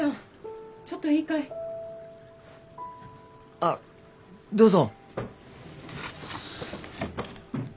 あどうぞ。